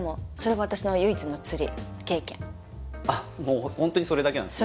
うんでももうホントにそれだけなんですね